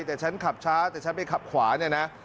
แต่ฉันขับช้าแต่ฉันไปขับขวาเนี่ยนะ